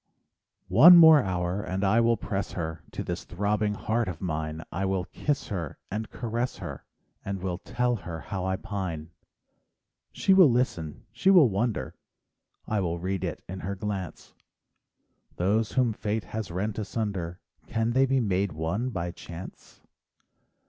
One more hour, and I will press her To this throbbing heart of mine; I will kiss her and caress her, And will tell her how I pine. She will listen, she will wonder, —I will read it in her glynce— Those whom fate has rent asunder Can they be made one by chance?